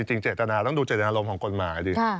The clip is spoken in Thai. จริงเจตนาต้องดูเจตนารมณ์ของกฎหมายดิ